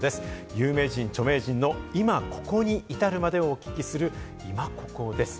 有名人・著名人の今ここに至るまでをお聞きする「イマココ」です。